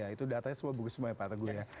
itu datanya bagus bagus pak teguh ya pak teguh